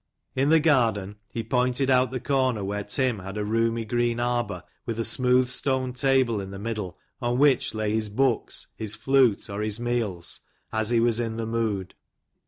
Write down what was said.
In the garden he pointed out the corner where Tim had a roomy green arbor, with a smooth stone table in the middle, on which lay his books, his flute, or his meals, as he w as in the mood.